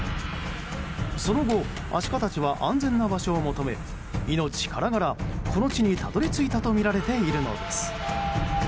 その後アシカたちは安全な場所を求め、命からがらこの地にたどり着いたとみられているのです。